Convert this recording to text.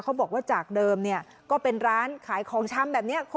บอกว่าจากเดิมเนี่ยก็เป็นร้านขายของชำแบบนี้